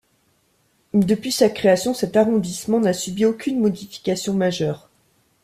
Depuis sa création cet arrondissement n'a subi aucune modification majeure.